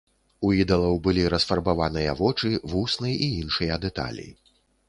У ідалаў былі расфарбаваныя вочы, вусны і іншыя дэталі.